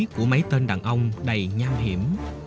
của máy tên đàn ông đầy nham hiểm